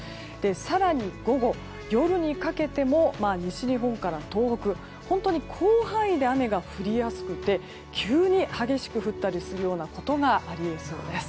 更に、午後や夜にかけても西日本から東北と本当に広範囲で雨が降りやすくて急に激しく降ったりするようなことがあり得そうです。